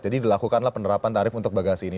jadi dilakukanlah penerapan tarif bagasi ini